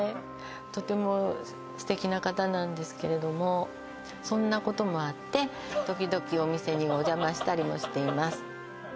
とても素敵な方なんですけれどもそんなこともあって時々お店におじゃましたりもしています